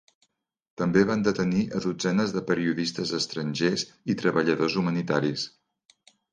També van detenir a dotzenes de periodistes estrangers i treballadors humanitaris.